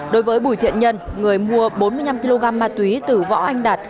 đối với bùi thiện nhân người mua bốn mươi năm kg ma túy từ võ anh đạt